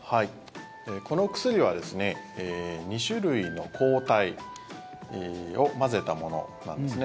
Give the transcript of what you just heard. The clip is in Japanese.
このお薬は２種類の抗体を混ぜたものなんですね。